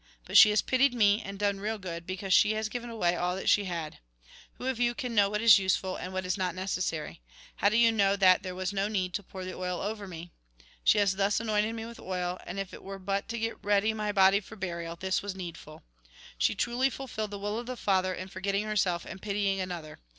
But she has pitied me, and done real good, because she has given away all that she had. Who of you can know what is useful, and what is not necessary ? How do you know that there was no need to pour the oil over me ? She has thus anointed me with oil, and if it were but Mt. xxvi C. THE FALSE LIFE Mt. xxvL 13. to get ready my body for burial, this was needful. She truly fulfilled the will of the Father, in forgetting herself and pitying another.